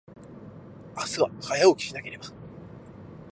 明日は、早起きしなければ。